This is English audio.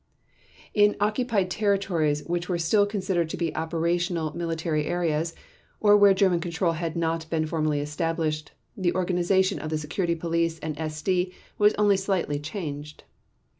In occupied territories which were still considered to be operational military areas or where German control had not been formally established, the organization of the Security Police and SD was only slightly changed.